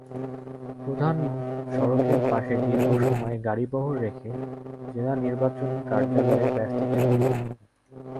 প্রধান সড়কের পাশে দীর্ঘ সময় গাড়িবহর রেখে জেলা নির্বাচনী কার্যালয়ে ব্যস্ত ছিলেন তিনি।